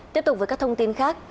tiếp tục với các thông tin khác